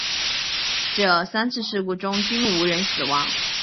这三次事故中均无人死亡。